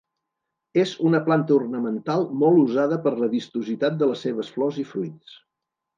És una planta ornamental molt usada per la vistositat de les seves flors i fruits.